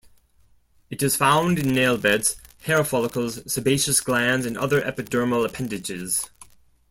It is found in nail beds, hair follicles, sebaceous glands, and other epidermal appendages.